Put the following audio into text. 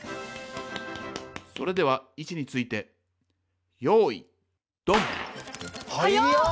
それでは位置についてはやっ！